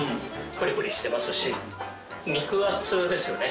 プリプリしてますし肉厚ですよね